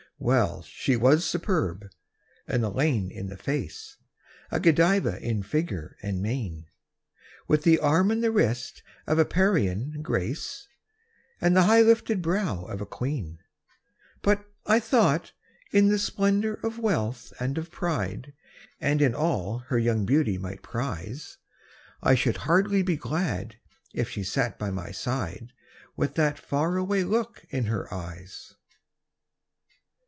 Well, she was superb an Elaine in the face, A Godiva in figure and mien, With the arm and the wrist of a Parian "Grace," And the high lifted brow of a queen; But I thought, in the splendor of wealth and of pride, And in all her young beauty might prize, I should hardly be glad if she sat by my side With that far away look in her eyes.